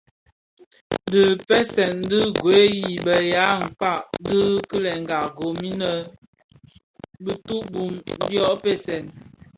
Dhipèseèn ti gwed i be ya mpkag di kilenga gom imë bituu bum dyoň npèsèn.